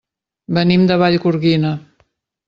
Venim de Vallgorguina.